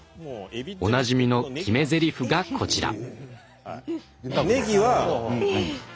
おなじみの決めぜりふがこちら！